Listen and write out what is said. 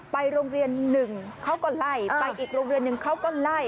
ไปโรงเรียนหนึ่งเขาก็ไล่ไปอีกโรงเรียนหนึ่งเขาก็ไล่